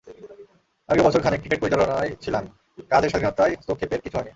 আগেও বছর খানেক ক্রিকেট পরিচালনায় ছিলাম, কাজের স্বাধীনতায় হস্তক্ষেপের কিছু হয়নি।